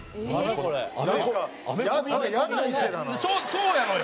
そうなのよ。